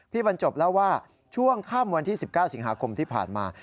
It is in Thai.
บรรจบเล่าว่าช่วงค่ำวันที่๑๙สิงหาคมที่ผ่านมา